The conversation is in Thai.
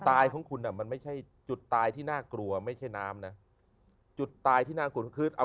ตายของคุณอ่ะมันไม่ใช่จุดตายที่น่ากลัวไม่ใช่น้ำนะจุดตายที่น่ากลัวคือเอา